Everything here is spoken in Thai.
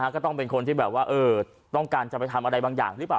ก็ต้องเป็นคนที่แบบว่าต้องการจะไปทำอะไรบางอย่างหรือเปล่า